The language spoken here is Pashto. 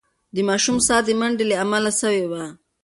د ماشوم ساه د منډې له امله سوې وه.